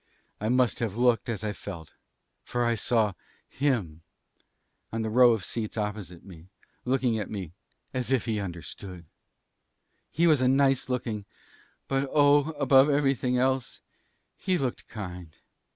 I must have looked as I felt, for I saw him on the row of seats opposite me, looking at me as if he understood. He was nice looking, but oh, above everything else, he looked kind.